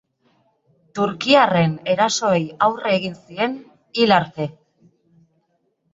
Turkiarren erasoei aurre egin zien hil arte.